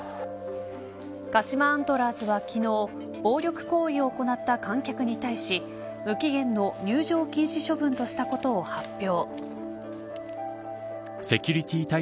鹿島アントラーズは昨日暴力行為を行った観客に対し無期限の入場禁止処分としたことを発表。